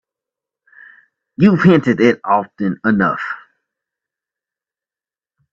You've hinted it often enough.